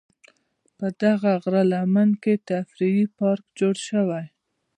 په دغه غره لمن کې تفریحي پارک جوړ شوی.